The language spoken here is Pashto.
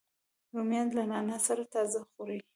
رومیان له نعناع سره تازه خوري